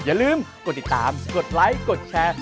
อย่าลืมกดติดตามกดไลค์กดแชร์